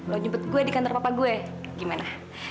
lo nyebut gue di kantor papa gue gimana